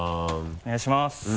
お願いします。